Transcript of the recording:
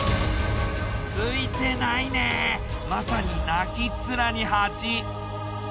ツイてないねまさに泣きっ面に蜂。